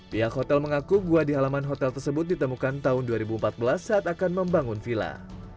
pihak hotel mengaku gua di halaman hotel tersebut ditemukan tahun dua ribu empat belas saat akan membangun villa